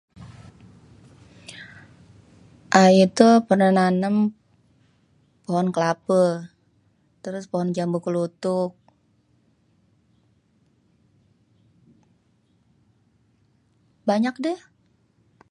Ayé tuh pernah nanem pohon kelape, terus pohon jambu kelutuk. Banyak deh.